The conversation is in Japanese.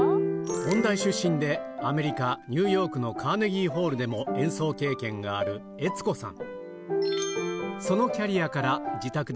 音大出身でアメリカニューヨークのカーネギーホールでも演奏経験があるえつこさん